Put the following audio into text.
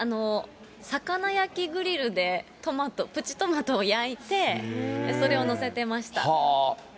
魚焼きグリルでプチトマトを焼いて、それを載せてました。